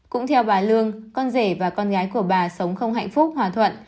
cũng theo bà lương con rể và con gái của bà sống không hạnh phúc hòa thuận